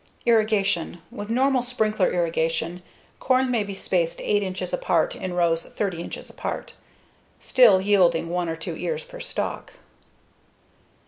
Irrigation: With normal sprinkler irrigation, corn may be spaced 8 inches apart in rows 30 inches apart, still yielding one or two ears per stalk.